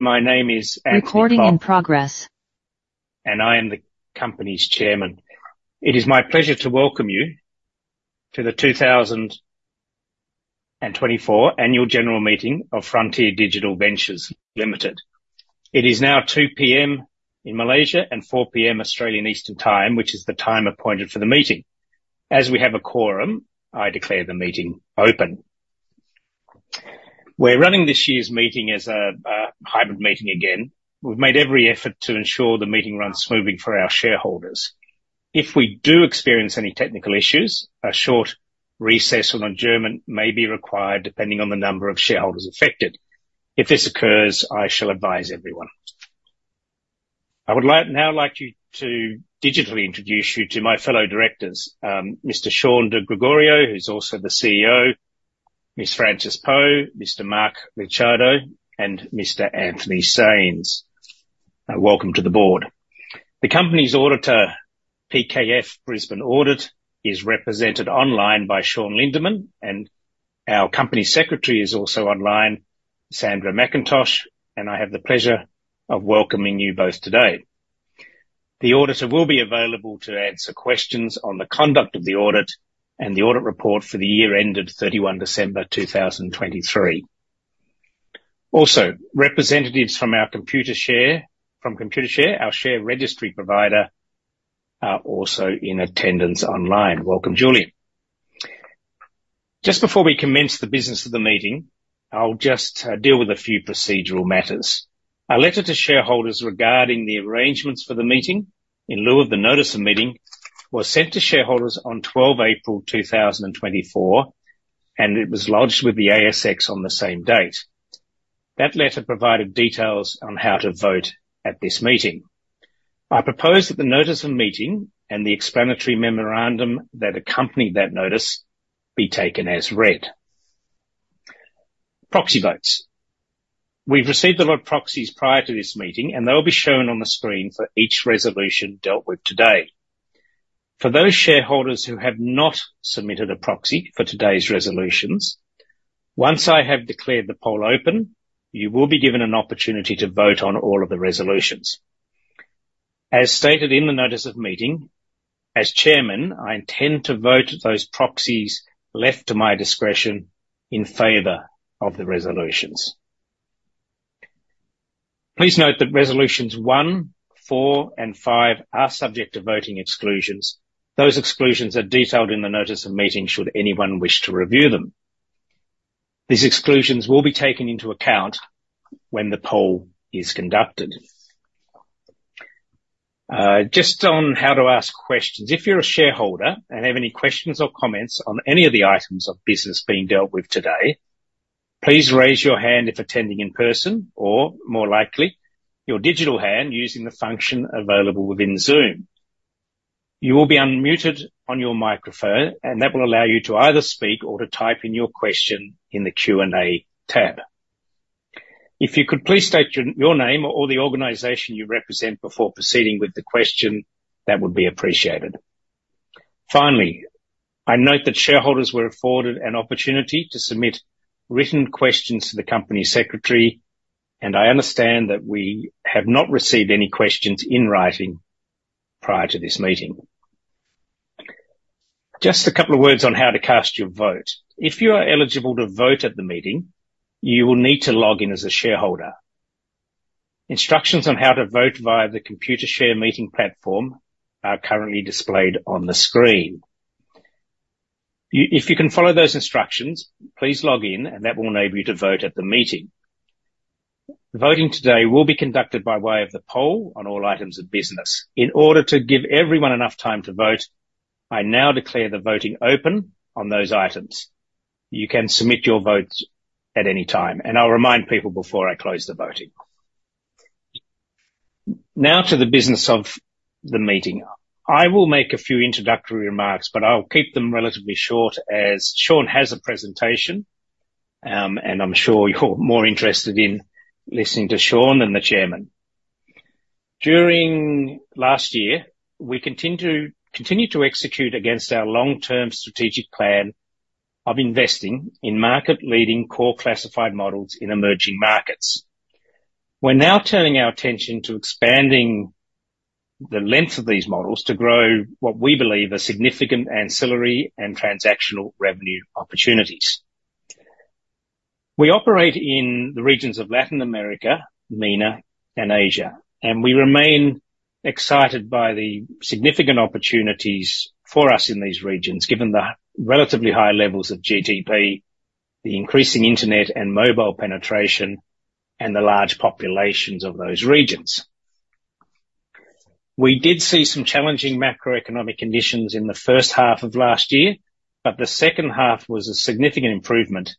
My name is Anthony Klok I am the company's chairman. It is my pleasure to welcome you to the 2024 Annual General Meeting of Frontier Digital Ventures Limited. It is now 2:00 P.M. in Malaysia and 4:00 P.M. Australian Eastern Time, which is the time appointed for the meeting. As we have a quorum, I declare the meeting open. We're running this year's meeting as a hybrid meeting again. We've made every effort to ensure the meeting runs smoothly for our shareholders. If we do experience any technical issues, a short recess or an adjournment may be required, depending on the number of shareholders affected. If this occurs, I shall advise everyone. I would like now to digitally introduce you to my fellow directors, Mr. Shaun Di Gregorio, who's also the CEO, Ms. Frances Po, Mr. Mark Licciardo, and Mr. Anthony Saines. Welcome to the board. The company's auditor, PKF Brisbane Audit, is represented online by Shaun Lindemann, and our company secretary is also online, Sandra McIntosh, and I have the pleasure of welcoming you both today. The auditor will be available to answer questions on the conduct of the audit and the audit report for the year ended 31 December 2023. Also, representatives from our Computershare, from Computershare, our share registry provider, are also in attendance online. Welcome, Julie. Just before we commence the business of the meeting, I'll just deal with a few procedural matters. A letter to shareholders regarding the arrangements for the meeting, in lieu of the notice of meeting, was sent to shareholders on 12th April 2024, and it was lodged with the ASX on the same date. That letter provided details on how to vote at this meeting. I propose that the notice of meeting and the explanatory memorandum that accompanied that notice be taken as read. Proxy votes. We've received a lot of proxies prior to this meeting, and they'll be shown on the screen for each resolution dealt with today. For those shareholders who have not submitted a proxy for today's resolutions, once I have declared the poll open, you will be given an opportunity to vote on all of the resolutions. As stated in the notice of meeting, as Chairman, I intend to vote those proxies left to my discretion in favor of the resolutions. Please note that resolutions one, four, and five are subject to voting exclusions. Those exclusions are detailed in the notice of meeting, should anyone wish to review them. These exclusions will be taken into account when the poll is conducted. Just on how to ask questions. If you're a shareholder and have any questions or comments on any of the items of business being dealt with today, please raise your hand if attending in person, or more likely, your digital hand using the function available within Zoom. You will be unmuted on your microphone, and that will allow you to either speak or to type in your question in the Q&A tab. If you could please state your name or the organization you represent before proceeding with the question, that would be appreciated. Finally, I note that shareholders were afforded an opportunity to submit written questions to the company secretary, and I understand that we have not received any questions in writing prior to this meeting. Just a couple of words on how to cast your vote. If you are eligible to vote at the meeting, you will need to log in as a shareholder. Instructions on how to vote via the Computershare meeting platform are currently displayed on the screen. If you can follow those instructions, please log in, and that will enable you to vote at the meeting. Voting today will be conducted by way of the poll on all items of business. In order to give everyone enough time to vote, I now declare the voting open on those items. You can submit your votes at any time, and I'll remind people before I close the voting. Now to the business of the meeting. I will make a few introductory remarks, but I'll keep them relatively short as Shaun has a presentation, and I'm sure you're more interested in listening to Shaun than the chairman. During last year, we continued to execute against our long-term strategic plan of investing in market-leading core classified models in emerging markets. We're now turning our attention to expanding the length of these models to grow what we believe are significant ancillary and transactional revenue opportunities. We operate in the regions of Latin America, MENA, and Asia, and we remain excited by the significant opportunities for us in these regions, given the relatively high levels of GDP, the increasing internet and mobile penetration, and the large populations of those regions. We did see some challenging macroeconomic conditions in the first half of last year, but the second half was a significant improvement,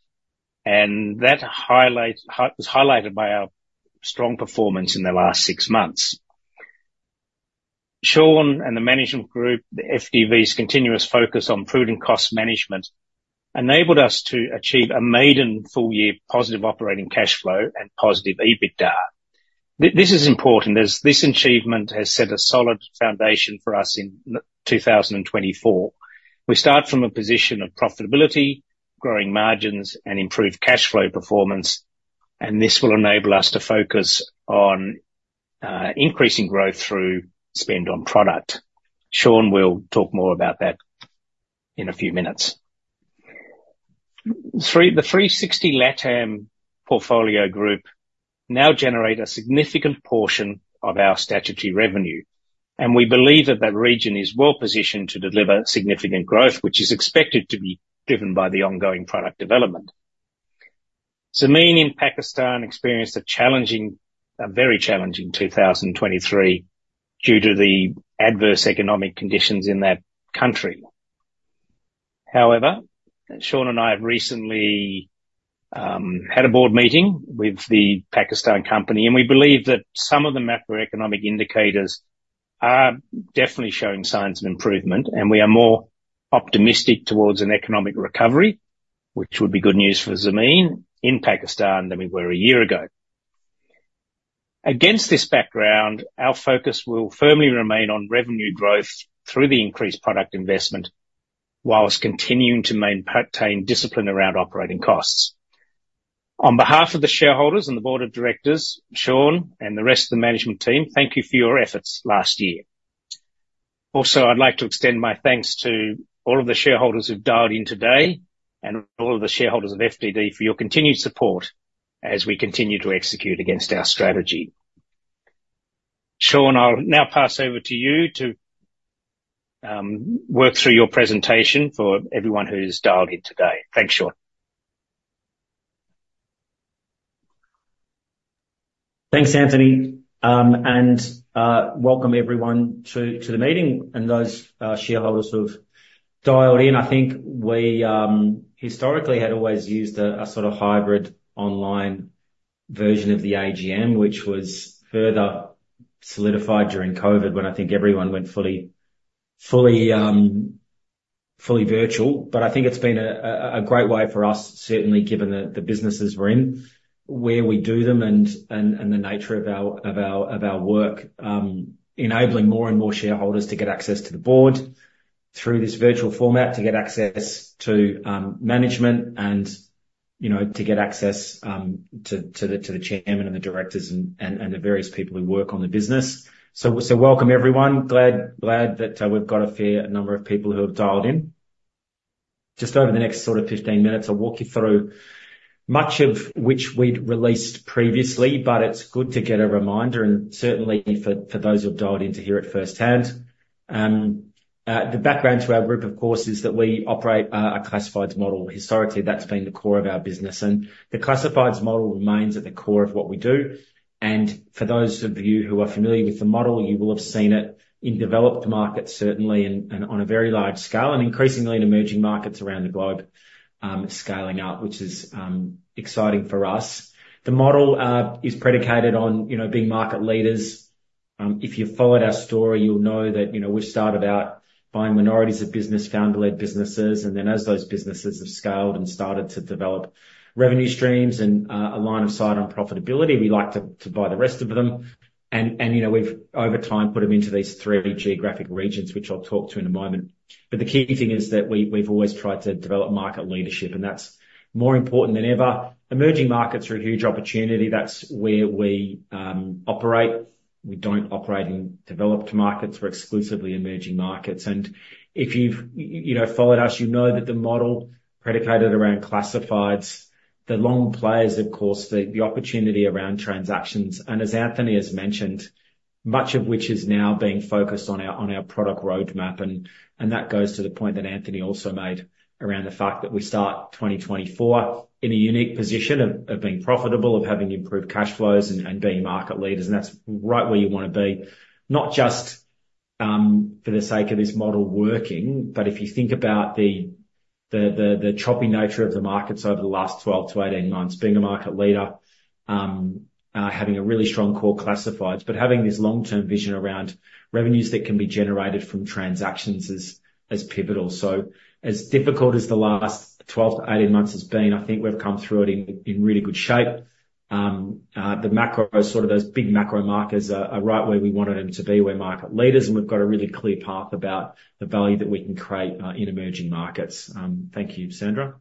and that was highlighted by our strong performance in the last six months. Shaun and the management group, the FDV's continuous focus on prudent cost management, enabled us to achieve a maiden full-year positive operating cashflow and positive EBITDA. This is important, as this achievement has set a solid foundation for us in 2024. We start from a position of profitability, growing margins, and improved cash flow performance, and this will enable us to focus on increasing growth through spend on product. Shaun will talk more about that in a few minutes. The 360 LATAM portfolio group now generates a significant portion of our statutory revenue, and we believe that that region is well positioned to deliver significant growth, which is expected to be driven by the ongoing product development. Zameen in Pakistan experienced a challenging, a very challenging 2023, due to the adverse economic conditions in that country. However, Shaun and I have recently had a board meeting with the Pakistan company, and we believe that some of the macroeconomic indicators are definitely showing signs of improvement, and we are more optimistic towards an economic recovery, which would be good news for Zameen in Pakistan, than we were a year ago. Against this background, our focus will firmly remain on revenue growth through the increased product investment, whilst continuing to maintain discipline around operating costs. On behalf of the shareholders and the board of directors, Shaun and the rest of the management team, thank you for your efforts last year. Also, I'd like to extend my thanks to all of the shareholders who've dialed in today, and all of the shareholders of FDV for your continued support as we continue to execute against our strategy. Shaun, I'll now pass over to you to work through your presentation for everyone who's dialed in today. Thanks, Shaun. Thanks, Anthony, and welcome everyone to the meeting, and those shareholders who've dialed in. I think we historically had always used a sort of hybrid online version of the AGM, which was further solidified during COVID, when I think everyone went fully virtual. But I think it's been a great way for us, certainly given the businesses we're in, where we do them, and the nature of our work. Enabling more and more shareholders to get access to the board through this virtual format, to get access to management and, you know, to get access to the chairman and the directors and the various people who work on the business. So welcome everyone, glad, glad that we've got a fair number of people who have dialed in. Just over the next sort of 15 minutes, I'll walk you through much of which we'd released previously, but it's good to get a reminder, and certainly for, for those who have dialed in to hear it firsthand. The background to our group, of course, is that we operate a classifieds model. Historically, that's been the core of our business, and the classifieds model remains at the core of what we do, and for those of you who are familiar with the model, you will have seen it in developed markets, certainly, and on a very large scale, and increasingly in emerging markets around the globe, scaling up, which is exciting for us. The model is predicated on, you know, being market leaders. If you've followed our story, you'll know that, you know, we started out buying minorities of business, founder-led businesses, and then as those businesses have scaled and started to develop revenue streams and, a line of sight on profitability, we like to, to buy the rest of them. And, and, you know, we've over time, put them into these three geographic regions, which I'll talk to in a moment. But the key thing is that we, we've always tried to develop market leadership, and that's more important than ever. Emerging markets are a huge opportunity, that's where we, operate. We don't operate in developed markets, we're exclusively emerging markets. If you've you know followed us, you know that the model predicated around classifieds, the long players, of course, the opportunity around transactions, and as Anthony has mentioned, much of which is now being focused on our product roadmap, and that goes to the point that Anthony also made around the fact that we start 2024 in a unique position of being profitable, of having improved cash flows and being market leaders. And that's right where you wanna be, not just for the sake of this model working, but if you think about the choppy nature of the markets over the last 12-18 months, being a market leader, having a really strong core classifieds, but having this long-term vision around revenues that can be generated from transactions is pivotal. So as difficult as the last 12-18 months has been, I think we've come through it in really good shape. The macro, sort of those big macro markers are right where we wanted them to be. We're market leaders, and we've got a really clear path about the value that we can create in emerging markets. Thank you, Sandra.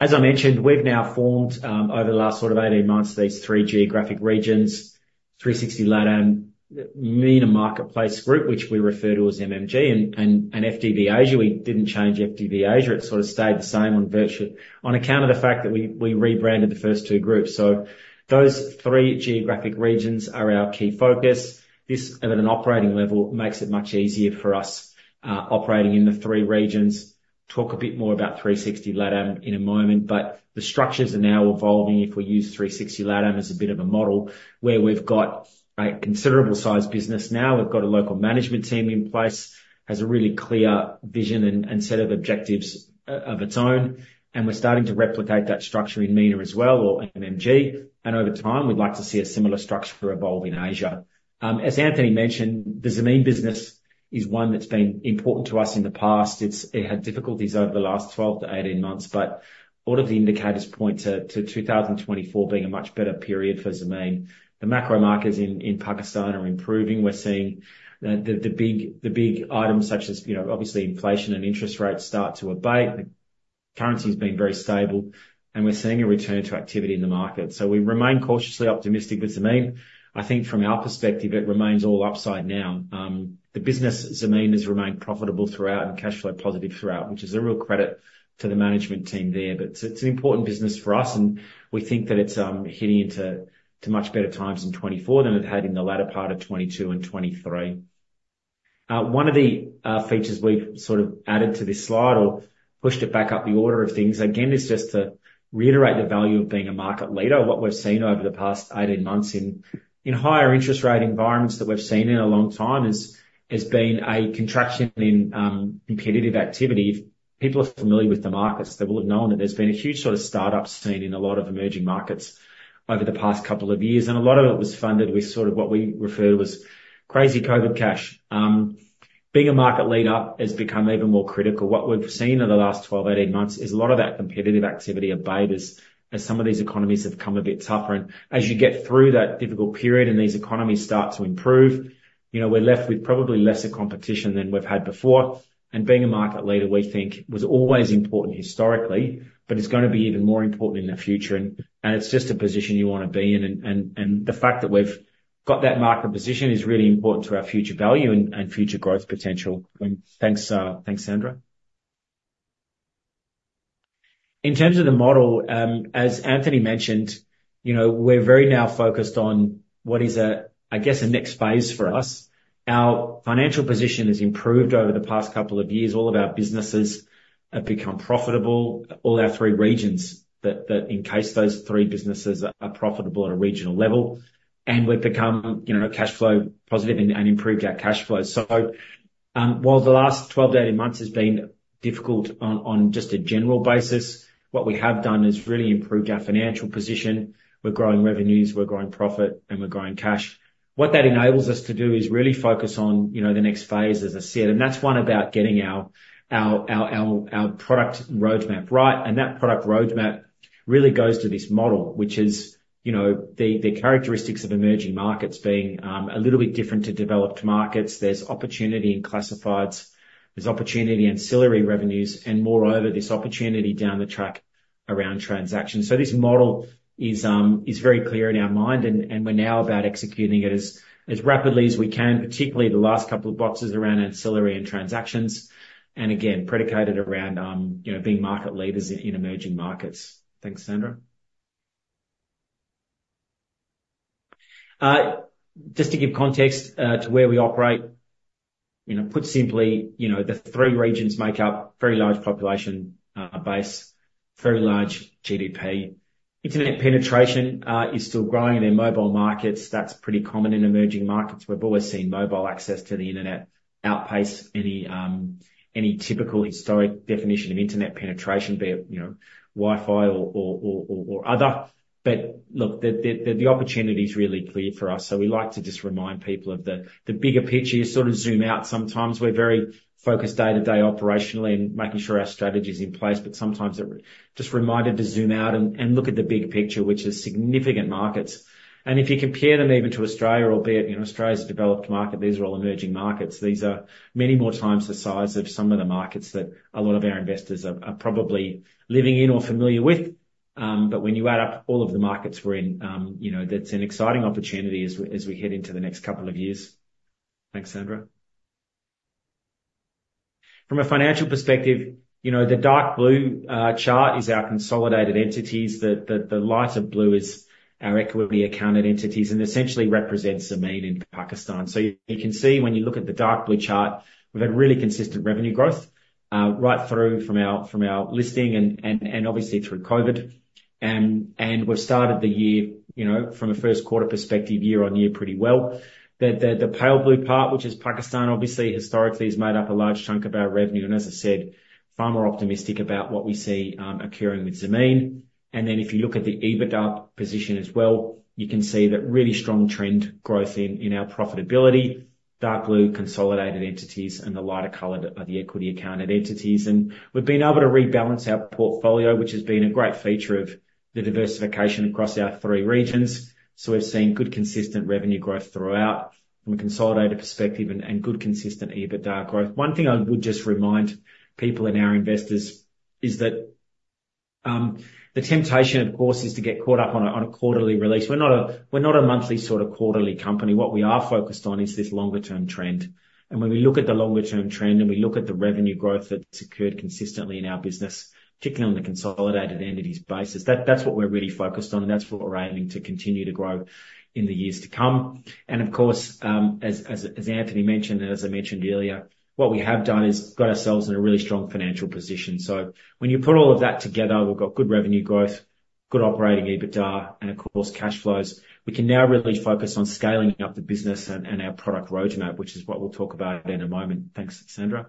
As I mentioned, we've now formed over the last sort of 18 months these three geographic regions, 360 LATAM, MENA Marketplaces Group, which we refer to as MMG, and FDV Asia. We didn't change FDV Asia; it sort of stayed the same on account of the fact that we rebranded the first two groups. So those three geographic regions are our key focus. This, at an operating level, makes it much easier for us, operating in the three regions. Talk a bit more about 360 LATAM in a moment, but the structures are now evolving. If we use 360 LATAM as a bit of a model, where we've got a considerable sized business now, we've got a local management team in place, has a really clear vision and, and set of objectives of its own, and we're starting to replicate that structure in MENA as well, or MMG, and over time, we'd like to see a similar structure evolve in Asia. As Anthony mentioned, the Zameen business is one that's been important to us in the past. It had difficulties over the last 12-18 months, but all of the indicators point to, to 2024 being a much better period for Zameen. The macro markets in Pakistan are improving. We're seeing the big items such as, you know, obviously inflation and interest rates start to abate. The currency has been very stable, and we're seeing a return to activity in the market. So we remain cautiously optimistic with Zameen. I think from our perspective, it remains all upside now. The business, Zameen, has remained profitable throughout and cash flow positive throughout, which is a real credit to the management team there. But it's an important business for us, and we think that it's heading into to much better times in 2024 than it had in the latter part of 2022 and 2023. One of the features we've sort of added to this slide or pushed it back up the order of things, again, is just to reiterate the value of being a market leader. What we've seen over the past 18 months in higher interest rate environments that we've seen in a long time is has been a contraction in competitive activity. If people are familiar with the markets, they will have known that there's been a huge sort of start-up scene in a lot of emerging markets over the past couple of years, and a lot of it was funded with sort of what we refer to as crazy COVID cash. Being a market leader has become even more critical. What we've seen in the last 12, 18 months is a lot of that competitive activity abated as some of these economies have come a bit tougher. And as you get through that difficult period and these economies start to improve, you know, we're left with probably lesser competition than we've had before. And being a market leader, we think, was always important historically, but it's gonna be even more important in the future, and, and it's just a position you want to be in. And, and, and the fact that we've got that market position is really important to our future value and, and future growth potential. Thanks, thanks, Sandra. In terms of the model, as Anthony mentioned, you know, we're very now focused on what is a, I guess, a next phase for us. Our financial position has improved over the past couple of years. All of our businesses have become profitable. All our three regions that encase those three businesses are profitable at a regional level, and we've become, you know, cash flow positive and improved our cash flow. So, while the last 12-18 months has been difficult on just a general basis, what we have done is really improved our financial position. We're growing revenues, we're growing profit, and we're growing cash. What that enables us to do is really focus on, you know, the next phase, as I said, and that's one about getting our product roadmap right. And that product roadmap really goes to this model, which is, you know, the characteristics of emerging markets being a little bit different to developed markets. There's opportunity in classifieds, there's opportunity in ancillary revenues, and moreover, there's opportunity down the track around transactions. So this model is very clear in our mind, and we're now about executing it as rapidly as we can, particularly the last couple of boxes around ancillary and transactions, and again, predicated around you know, being market leaders in emerging markets. Thanks, Sandra. Just to give context to where we operate, you know, put simply, you know, the three regions make up very large population base, very large GDP. Internet penetration is still growing in their mobile markets. That's pretty common in emerging markets. We've always seen mobile access to the internet outpace any typical historic definition of internet penetration, be it, you know, Wi-Fi or other. But look, the opportunity is really clear for us, so we like to just remind people of the bigger picture. You sort of zoom out sometimes. We're very focused day-to-day, operationally, and making sure our strategy is in place, but sometimes we're just reminded to zoom out and look at the big picture, which is significant markets. And if you compare them even to Australia, or be it, you know, Australia's a developed market, these are all emerging markets. These are many more times the size of some of the markets that a lot of our investors are probably living in or familiar with. But when you add up all of the markets we're in, you know, that's an exciting opportunity as we head into the next couple of years. Thanks, Sandra. From a financial perspective, you know, the dark blue chart is our consolidated entities. The lighter blue is our equity accounted entities, and essentially represents Zameen in Pakistan. So you can see when you look at the dark blue chart, we've had really consistent revenue growth right through from our listing and obviously through COVID. And we've started the year, you know, from a first quarter perspective, year-on-year, pretty well. The pale blue part, which is Pakistan, obviously historically, has made up a large chunk of our revenue, and as I said, far more optimistic about what we see occurring with Zameen. And then, if you look at the EBITDA position as well, you can see that really strong trend growth in our profitability, dark blue consolidated entities, and the lighter colored are the equity accounted entities. We've been able to rebalance our portfolio, which has been a great feature of the diversification across our three regions. We've seen good, consistent revenue growth throughout from a consolidated perspective and good, consistent EBITDA growth. One thing I would just remind people and our investors is that the temptation, of course, is to get caught up on a quarterly release. We're not a monthly sort of quarterly company. What we are focused on is this longer-term trend. When we look at the longer-term trend, and we look at the revenue growth that's occurred consistently in our business, particularly on the consolidated entities basis, that's what we're really focused on, and that's what we're aiming to continue to grow in the years to come. And of course, as Anthony mentioned, and as I mentioned earlier, what we have done is got ourselves in a really strong financial position. So when you put all of that together, we've got good revenue growth, good operating EBITDA, and of course, cash flows. We can now really focus on scaling up the business and our product roadmap, which is what we'll talk about in a moment. Thanks, Sandra.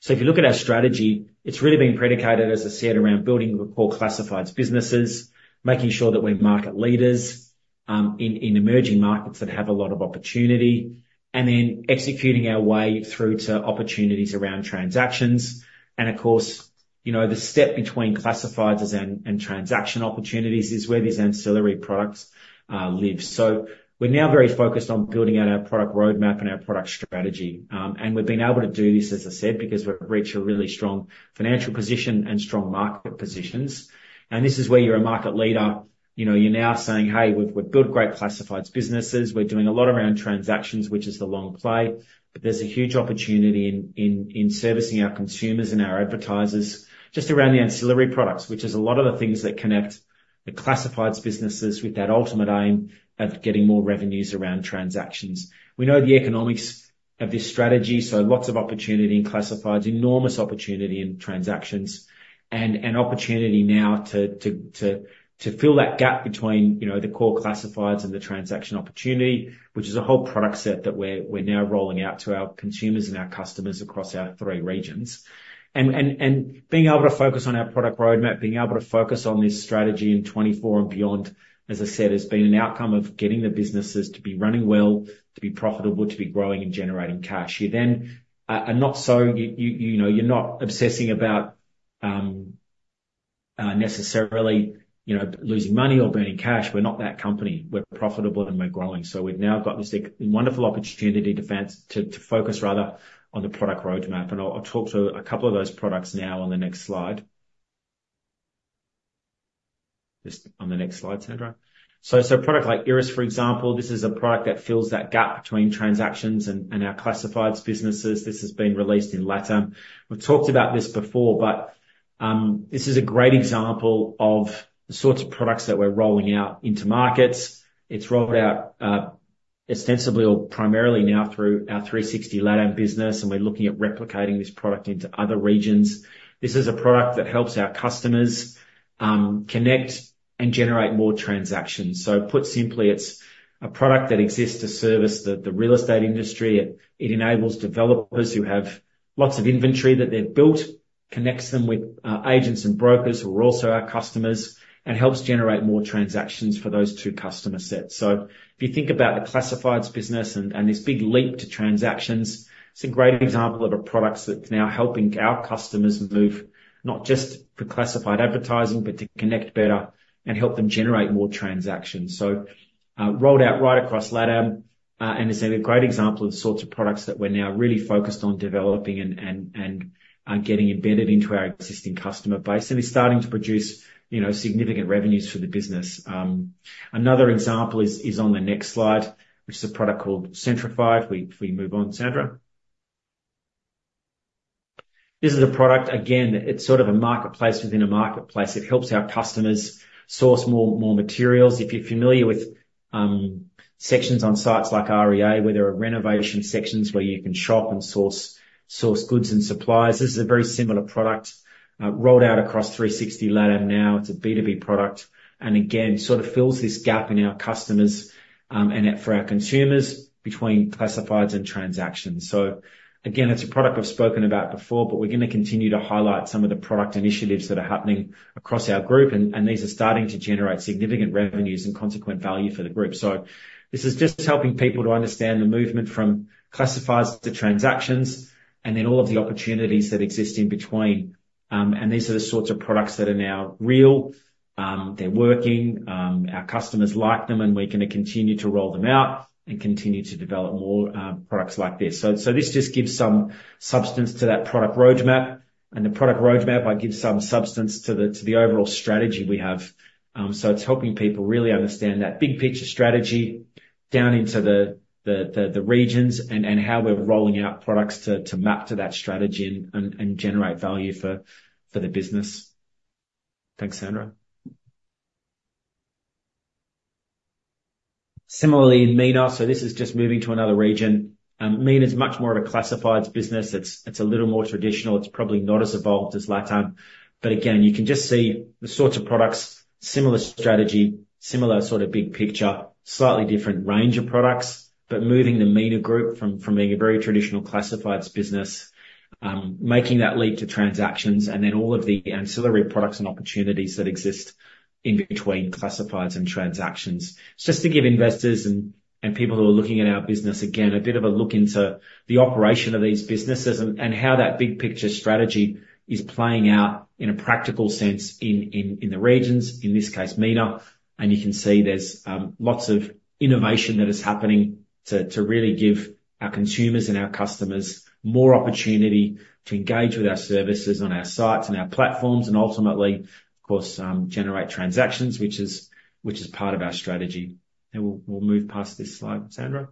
So if you look at our strategy, it's really been predicated, as I said, around building core classifieds businesses, making sure that we're market leaders in emerging markets that have a lot of opportunity, and then executing our way through to opportunities around transactions, and of course, you know, the step between classifieds and transaction opportunities is where these ancillary products live. So we're now very focused on building out our product roadmap and our product strategy. And we've been able to do this, as I said, because we've reached a really strong financial position and strong market positions. And this is where you're a market leader. You know, you're now saying, "Hey, we've built great classifieds businesses. We're doing a lot around transactions, which is the long play." But there's a huge opportunity in servicing our consumers and our advertisers just around the ancillary products, which is a lot of the things that connect the classifieds businesses with that ultimate aim of getting more revenues around transactions. We know the economics of this strategy, so lots of opportunity in classifieds, enormous opportunity in transactions, and an opportunity now to fill that gap between, you know, the core classifieds and the transaction opportunity, which is a whole product set that we're now rolling out to our consumers and our customers across our three regions. Being able to focus on our product roadmap, being able to focus on this strategy in 2024 and beyond, as I said, has been an outcome of getting the businesses to be running well, to be profitable, to be growing and generating cash. You then... And not so, you know, you're not obsessing about necessarily, you know, losing money or burning cash. We're not that company. We're profitable, and we're growing. So we've now got this wonderful opportunity to focus rather on the product roadmap, and I'll talk to a couple of those products now on the next slide. Just on the next slide, Sandra. So a product like IRIS, for example, this is a product that fills that gap between transactions and our classifieds businesses. This has been released in LatAm. We've talked about this before, but this is a great example of the sorts of products that we're rolling out into markets. It's rolled out, ostensibly or primarily now through our 360 LATAM business, and we're looking at replicating this product into other regions. This is a product that helps our customers connect and generate more transactions. So put simply, it's a product that exists to service the real estate industry. It enables developers who have lots of inventory that they've built, connects them with agents and brokers who are also our customers and helps generate more transactions for those two customer sets. So if you think about the classifieds business and this big leap to transactions, it's a great example of a product that's now helping our customers move, not just for classified advertising, but to connect better and help them generate more transactions. So, rolled out right across LATAM, and it's a great example of the sorts of products that we're now really focused on developing and getting embedded into our existing customer base. And it's starting to produce, you know, significant revenues for the business. Another example is on the next slide, which is a product called Centrify. If we move on, Sandra. This is a product, again, it's sort of a marketplace within a marketplace. It helps our customers source more materials. If you're familiar with sections on sites like REA, where there are renovation sections, where you can shop and source goods and supplies, this is a very similar product rolled out across 360 LATAM now. It's a B2B product, and again, sort of fills this gap in our customers and then for our consumers between classifieds and transactions. So again, it's a product I've spoken about before, but we're gonna continue to highlight some of the product initiatives that are happening across our group, and these are starting to generate significant revenues and consequent value for the group. So this is just helping people to understand the movement from classifieds to transactions, and then all of the opportunities that exist in between. And these are the sorts of products that are now real, they're working, our customers like them, and we're gonna continue to roll them out and continue to develop more, products like this. So this just gives some substance to that product roadmap, and the product roadmap might give some substance to the overall strategy we have. So it's helping people really understand that big picture strategy down into the regions and how we're rolling out products to map to that strategy and generate value for the business. Thanks, Sandra. Similarly, in MENA, so this is just moving to another region. MENA is much more of a classifieds business. It's a little more traditional. It's probably not as evolved as LatAm. But again, you can just see the sorts of products, similar strategy, similar sort of big picture, slightly different range of products, but moving the MENA group from being a very traditional classifieds business, making that leap to transactions, and then all of the ancillary products and opportunities that exist in between classifieds and transactions. It's just to give investors and people who are looking at our business, again, a bit of a look into the operation of these businesses and how that big picture strategy is playing out in a practical sense in the regions, in this case, MENA. And you can see there's lots of innovation that is happening to, to really give our consumers and our customers more opportunity to engage with our services on our sites and our platforms, and ultimately, of course, generate transactions, which is, which is part of our strategy. And we'll, we'll move past this slide, Sandra.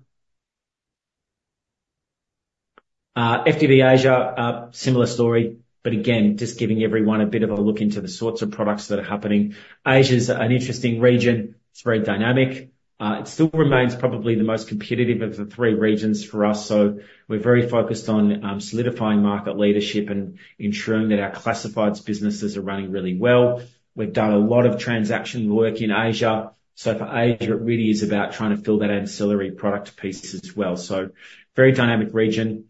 FDV Asia, similar story, but again, just giving everyone a bit of a look into the sorts of products that are happening. Asia's an interesting region. It's very dynamic. It still remains probably the most competitive of the three regions for us, so we're very focused on solidifying market leadership and ensuring that our classifieds businesses are running really well. We've done a lot of transaction work in Asia. So for Asia, it really is about trying to fill that ancillary product piece as well. So very dynamic region,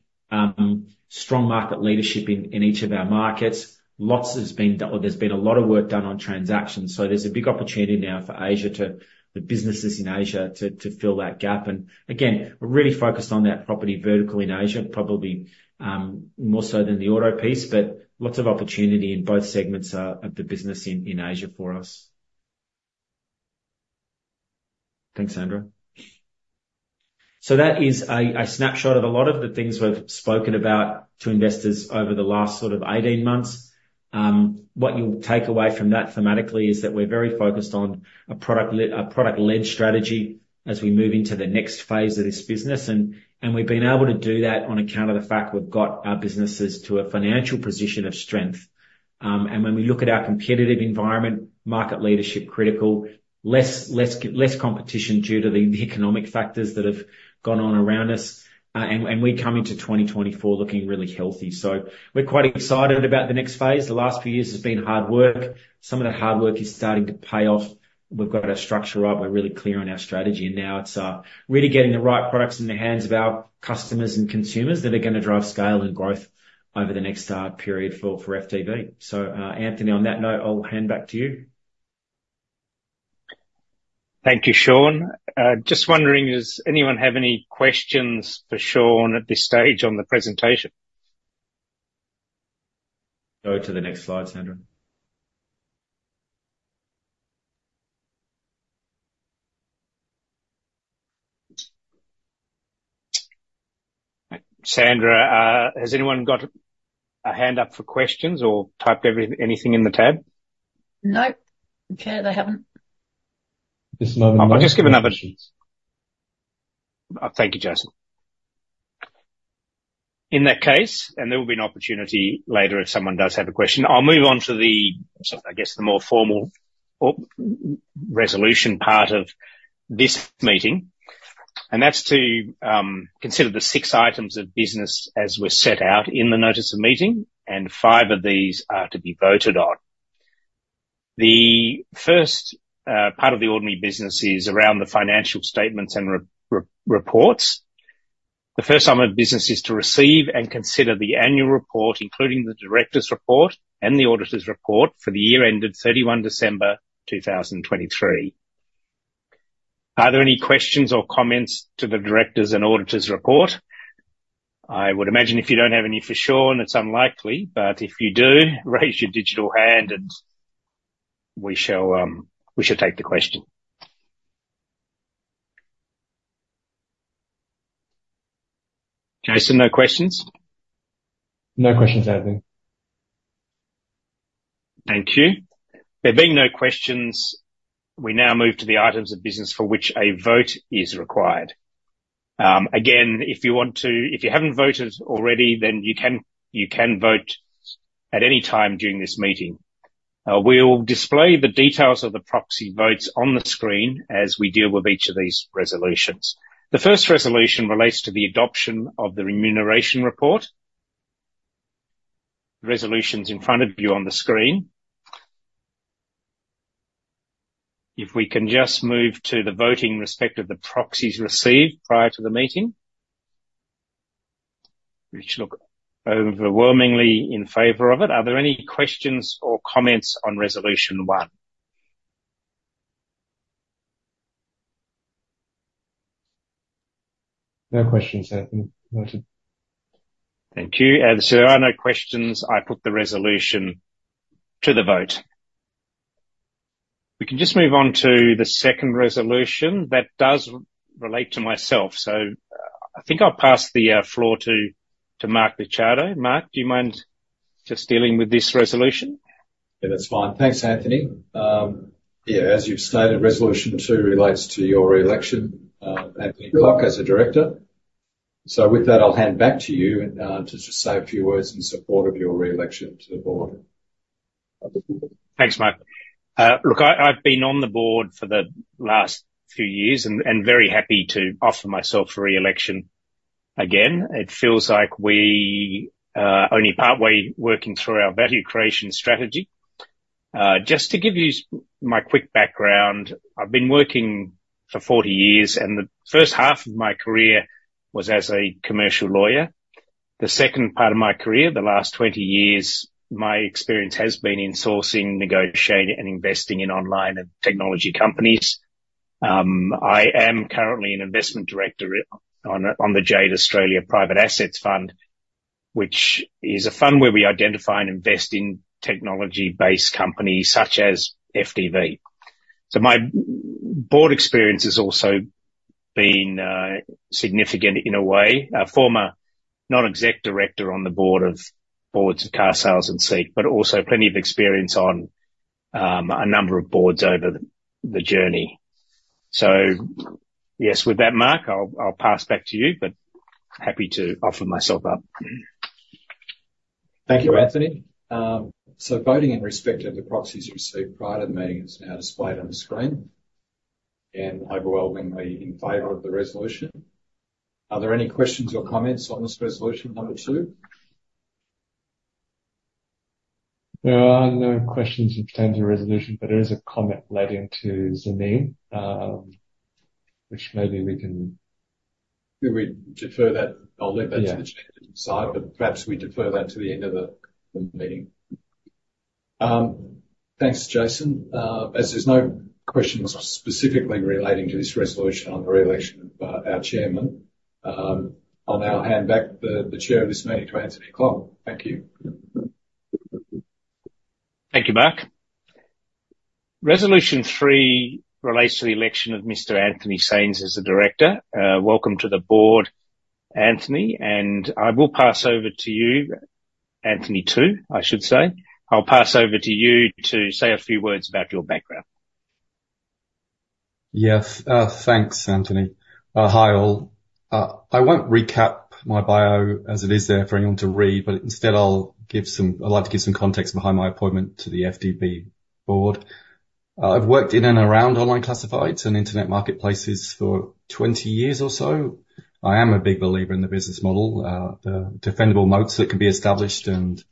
strong market leadership in each of our markets. Lots has been done or there's been a lot of work done on transactions, so there's a big opportunity now for the businesses in Asia to fill that gap. And again, we're really focused on that property vertical in Asia, probably, more so than the auto piece, but lots of opportunity in both segments of the business in Asia for us. Thanks, Sandra. So that is a snapshot of a lot of the things we've spoken about to investors over the last sort of 18 months. What you'll take away from that thematically is that we're very focused on a product-led strategy as we move into the next phase of this business. And we've been able to do that on account of the fact we've got our businesses to a financial position of strength. And when we look at our competitive environment, market leadership critical, less competition due to the economic factors that have gone on around us. And we come into 2024 looking really healthy. So we're quite excited about the next phase. The last few years has been hard work. Some of that hard work is starting to pay off. We've got our structure up, we're really clear on our strategy, and now it's really getting the right products in the hands of our customers and consumers that are gonna drive scale and growth over the next period for FDV. So, Anthony, on that note, I'll hand back to you. Thank you, Shaun. Just wondering, does anyone have any questions for Shaun at this stage on the presentation? Go to the next slide, Sandra. Sandra, has anyone got a hand up for questions or typed anything in the tab? Nope. Okay, they haven't. There's another- I'll just give another... Questions. Thank you, Jason. In that case, there will be an opportunity later if someone does have a question. I'll move on to the, sort of I guess, the more formal or resolution part of this meeting. That's to consider the six items of business as were set out in the notice of meeting, and five of these are to be voted on. The first part of the ordinary business is around the financial statements and reports. The first item of business is to receive and consider the annual report, including the director's report and the auditor's report for the year ended 31 December 2023. Are there any questions or comments to the directors' and auditors' report? I would imagine if you don't have any for Shaun, it's unlikely, but if you do, raise your digital hand and we shall, we shall take the question. Jason, no questions? No questions, Anthony. Thank you. There being no questions, we now move to the items of business for which a vote is required. Again, if you haven't voted already, then you can, you can vote at any time during this meeting. We'll display the details of the proxy votes on the screen as we deal with each of these resolutions. The first resolution relates to the adoption of the remuneration report. The resolution's in front of you on the screen. If we can just move to the voting in respect of the proxies received prior to the meeting, which look overwhelmingly in favor of it. Are there any questions or comments on resolution one? No questions, Anthony, noted. Thank you. As there are no questions, I put the resolution to the vote. We can just move on to the second resolution. That does relate to myself, so I think I'll pass the floor to Mark Licciardo. Mark, do you mind just dealing with this resolution? Yeah, that's fine. Thanks, Anthony. Yeah, as you've stated, resolution two relates to your re-election, Anthony Klok, as a director. So with that, I'll hand back to you, and to just say a few words in support of your re-election to the board. Thanks, Mark. Look, I've been on the board for the last few years and very happy to offer myself for re-election again. It feels like we are only partway working through our value creation strategy. Just to give you my quick background, I've been working for 40 years, and the first half of my career was as a commercial lawyer. The second part of my career, the last 20 years, my experience has been in sourcing, negotiating, and investing in online and technology companies. I am currently an investment director on the Jagen Australia Private Assets Fund, which is a fund where we identify and invest in technology-based companies such as FDV. So my board experience has also been significant in a way. A former non-exec director on the board of, boards of Carsales and SEEK, but also plenty of experience on a number of boards over the journey. So yes, with that, Mark, I'll pass back to you, but happy to offer myself up. Thank you, Anthony. So voting in respect of the proxies received prior to the meeting is now displayed on the screen, and overwhelmingly in favor of the resolution. Are there any questions or comments on this resolution number two? There are no questions in terms of resolution, but there is a comment relating to Zameen, which maybe we can- Maybe we defer that. I'll leave that- Yeah... To the side, but perhaps we defer that to the end of the meeting. Thanks, Jason. As there's no questions specifically relating to this resolution on the re-election of our chairman, I'll now hand back the chair of this meeting to Anthony Klok. Thank you.... Thank you, Mark. Resolution three relates to the election of Mr. Anthony Saines as a director. Welcome to the board, Anthony, and I will pass over to you, Anthony, too, I should say. I'll pass over to you to say a few words about your background. Yes. Thanks, Anthony. Hi, all. I won't recap my bio, as it is there for anyone to read, but instead I'll give some-- I'd like to give some context behind my appointment to the FDV board. I've worked in and around online classifieds and internet marketplaces for 20 years or so. I am a big believer in the business model, the defendable moats that can be established, and,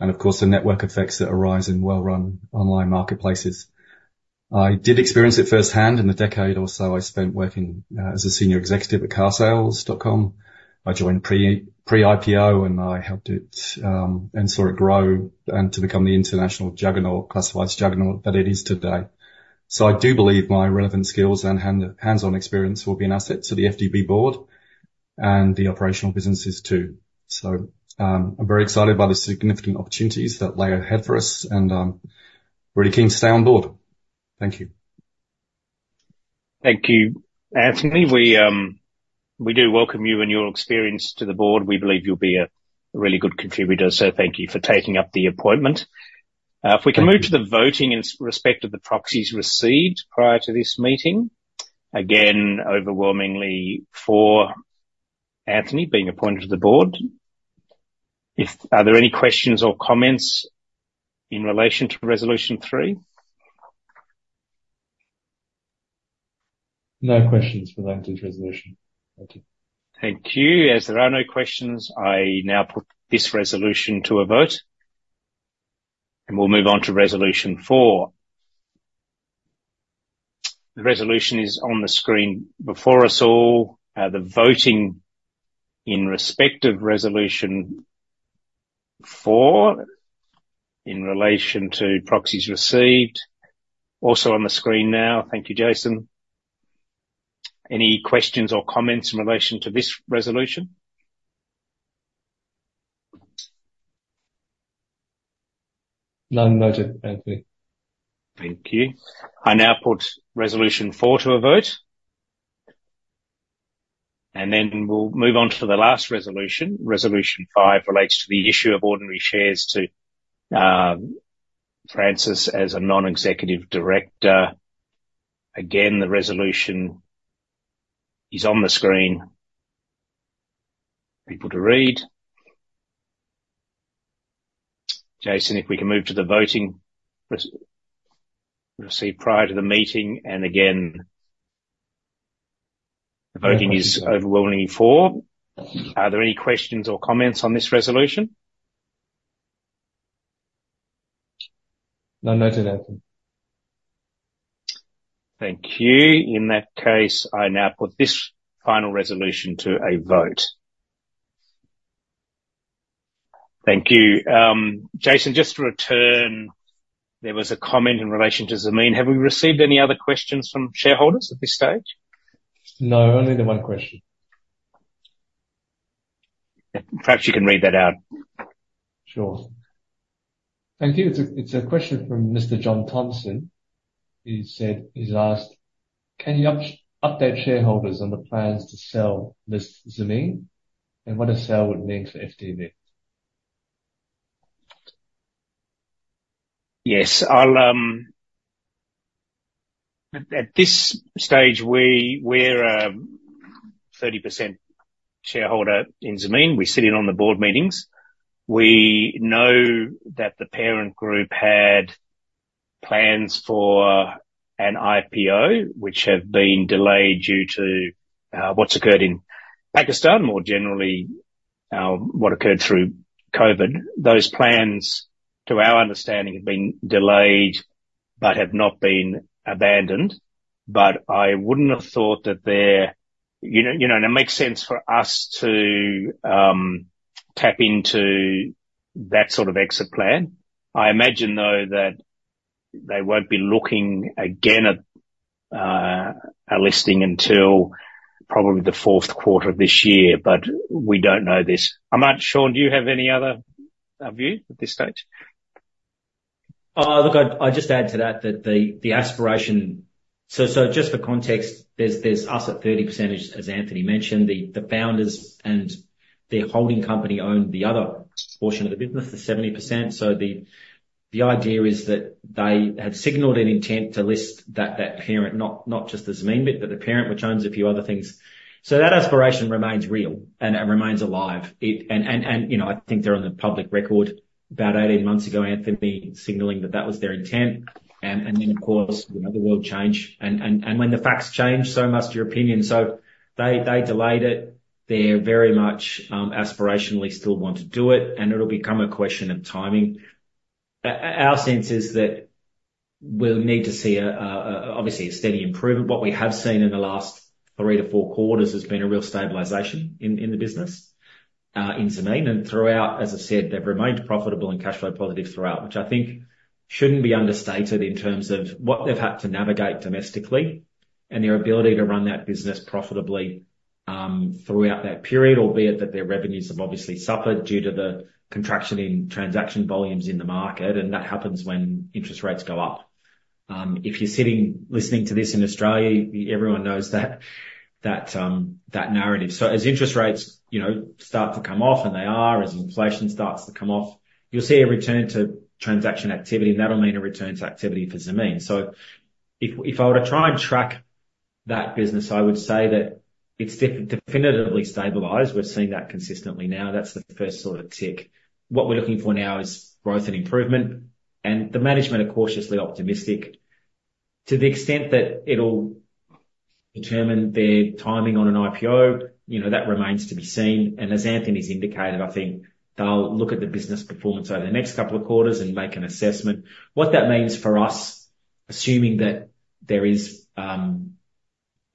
of course, the network effects that arise in well-run online marketplaces. I did experience it firsthand in the decade or so I spent working as a senior executive at carsales.com. I joined pre-IPO, and I helped it and saw it grow, and to become the international juggernaut, classifieds juggernaut, that it is today. So I do believe my relevant skills and hands-on experience will be an asset to the FDV board and the operational businesses, too. So, I'm very excited by the significant opportunities that lay ahead for us, and I'm really keen to stay on board. Thank you. Thank you, Anthony. We, we do welcome you and your experience to the board. We believe you'll be a really good contributor, so thank you for taking up the appointment. Thank you. If we can move to the voting in respect of the proxies received prior to this meeting. Again, overwhelmingly for Anthony being appointed to the board. Are there any questions or comments in relation to resolution three? No questions for that resolution. Thank you. Thank you. As there are no questions, I now put this resolution to a vote, and we'll move on to resolution four. The resolution is on the screen before us all. The voting in respect of resolution four, in relation to proxies received, also on the screen now. Thank you, Jason. Any questions or comments in relation to this resolution? None noted, Anthony. Thank you. I now put Resolution Four to a vote. Then we'll move on to the last resolution. Resolution Five relates to the issue of ordinary shares to Frances as a non-executive director. Again, the resolution is on the screen for people to read. Jason, if we can move to the voting received prior to the meeting, and again, the voting is overwhelmingly in favor. Are there any questions or comments on this resolution? No, noted, Anthony. Thank you. In that case, I now put this final resolution to a vote. Thank you. Jason, just to return, there was a comment in relation to Zameen. Have we received any other questions from shareholders at this stage? No, only the one question. Perhaps you can read that out. Sure. Thank you. It's a, it's a question from Mr. John Thompson. He said. He's asked, "Can you update shareholders on the plans to sell this Zameen, and what a sale would mean for FDV? Yes. I'll at this stage, we're a 30% shareholder in Zameen. We sit in on the board meetings. We know that the parent group had plans for an IPO, which have been delayed due to what's occurred in Pakistan, more generally, what occurred through COVID. Those plans, to our understanding, have been delayed but have not been abandoned. But I wouldn't have thought that there... You know, you know, and it makes sense for us to tap into that sort of exit plan. I imagine, though, that they won't be looking again at a listing until probably the fourth quarter of this year, but we don't know this. Um, Shaun, do you have any other view at this stage? Look, I'd just add to that, that the aspiration. So just for context, there's us at 30%, as Anthony mentioned, the founders and their holding company own the other portion of the business, the 70%. So the idea is that they have signaled an intent to list that parent, not just the Zameen bit, but the parent, which owns a few other things. So that aspiration remains real and it remains alive. It... And, you know, I think they're on the public record about 18 months ago, Anthony, signaling that that was their intent. And then, of course, you know, the world changed. And when the facts change, so must your opinion. So they delayed it. They very much, aspirationally still want to do it, and it'll become a question of timing. Our sense is that we'll need to see obviously a steady improvement. What we have seen in the last three to four quarters has been a real stabilization in the business, in Zameen, and throughout, as I said, they've remained profitable and cash flow positive throughout, which I think shouldn't be understated in terms of what they've had to navigate domestically, and their ability to run that business profitably throughout that period, albeit that their revenues have obviously suffered due to the contraction in transaction volumes in the market, and that happens when interest rates go up. If you're sitting listening to this in Australia, everyone knows that narrative. So as interest rates, you know, start to come off, and they are, as inflation starts to come off, you'll see a return to transaction activity, and that'll mean a return to activity for Zameen. So if I were to try and track that business, I would say that it's definitively stabilized. We've seen that consistently now. That's the first sort of tick. What we're looking for now is growth and improvement, and the management are cautiously optimistic. To the extent that it'll determine their timing on an IPO, you know, that remains to be seen, and as Anthony's indicated, I think they'll look at the business performance over the next couple of quarters and make an assessment. What that means for us, assuming that there is.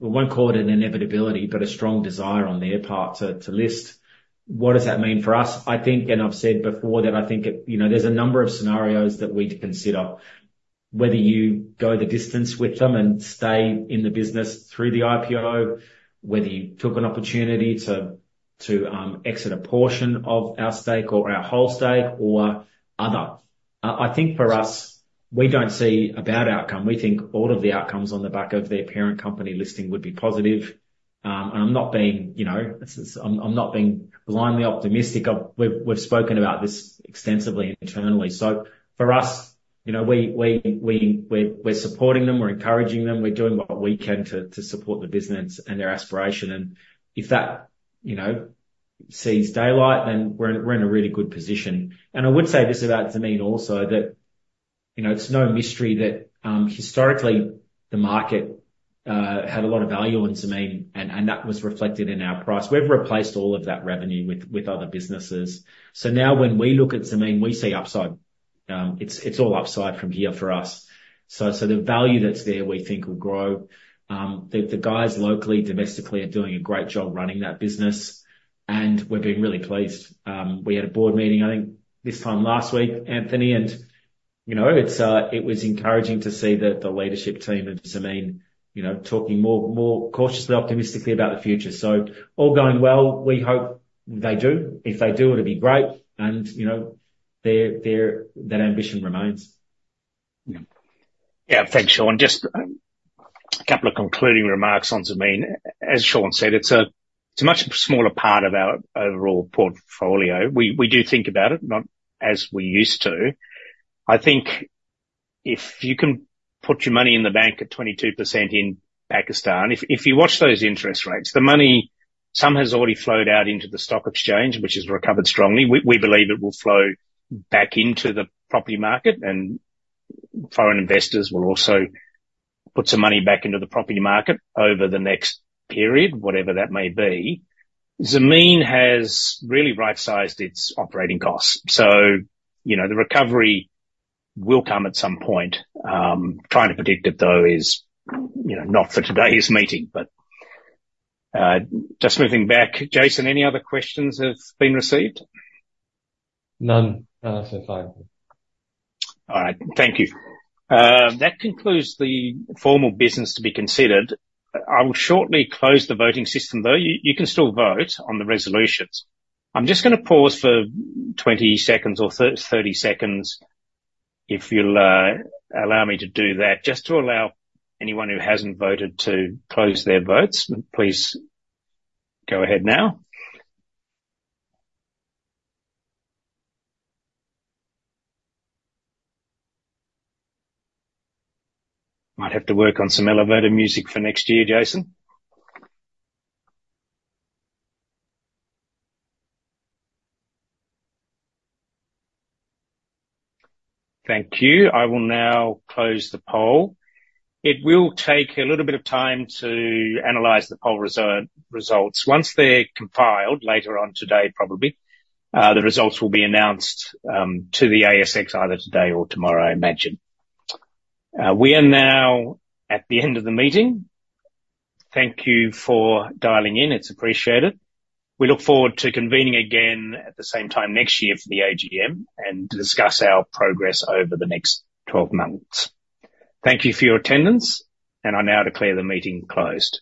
We won't call it an inevitability, but a strong desire on their part to list. What does that mean for us? I think, and I've said before, that I think it, you know, there's a number of scenarios that we'd consider. Whether you go the distance with them and stay in the business through the IPO, whether you took an opportunity to exit a portion of our stake or our whole stake or other. I think for us, we don't see a bad outcome. We think all of the outcomes on the back of their parent company listing would be positive. And I'm not being, you know, I'm not being blindly optimistic. We've spoken about this extensively internally. So for us, you know, we're supporting them, we're encouraging them, we're doing what we can to support the business and their aspiration, and if that, you know, sees daylight, then we're in a really good position. And I would say this about Zameen also, that, you know, it's no mystery that historically, the market had a lot of value on Zameen, and that was reflected in our price. We've replaced all of that revenue with other businesses. So now when we look at Zameen, we see upside. It's all upside from here for us. So the value that's there, we think will grow. The guys locally, domestically, are doing a great job running that business, and we're being really pleased. We had a board meeting, I think this time last week, Anthony, and, you know, it was encouraging to see that the leadership team at Zameen, you know, talking more, more cautiously, optimistically about the future. So all going well, we hope they do. If they do, it'll be great, and, you know, their, their... That ambition remains. Yeah. Thanks, Shaun. Just a couple of concluding remarks on Zameen. As Shaun said, it's a, it's a much smaller part of our overall portfolio. We, we do think about it, not as we used to. I think if you can put your money in the bank at 22% in Pakistan, if, if you watch those interest rates, the money, some has already flowed out into the stock exchange, which has recovered strongly. We, we believe it will flow back into the property market, and foreign investors will also put some money back into the property market over the next period, whatever that may be. Zameen has really right-sized its operating costs, so, you know, the recovery will come at some point. Trying to predict it, though, is, you know, not for today's meeting, but just moving back. Jason, any other questions have been received? None. None so far. All right. Thank you. That concludes the formal business to be considered. I will shortly close the voting system, though. You, you can still vote on the resolutions. I'm just gonna pause for 20 seconds or 30 seconds, if you'll allow me to do that, just to allow anyone who hasn't voted to close their votes. Please go ahead now. Might have to work on some elevator music for next year, Jason. Thank you. I will now close the poll. It will take a little bit of time to analyze the poll results. Once they're compiled, later on today probably, the results will be announced to the ASX either today or tomorrow, I imagine. We are now at the end of the meeting. Thank you for dialing in. It's appreciated. We look forward to convening again at the same time next year for the AGM, and discuss our progress over the next 12 months. Thank you for your attendance, and I now declare the meeting closed.